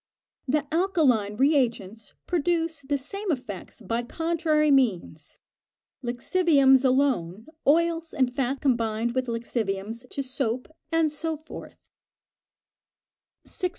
The alkaline re agents produce the same effects by contrary means lixiviums alone, oils and fat combined with lixiviums to soap, and so forth. 601.